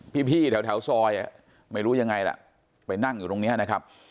พี่แถวซอยไม่รู้ยังไงล่ะไปนั่งอยู่ตรงนี้นะครับ